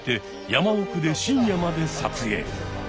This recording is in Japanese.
山奥で深夜まで撮影。